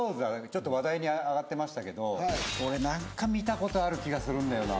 ちょっと話題に上がってましたけど俺何か見たことある気がするんだよな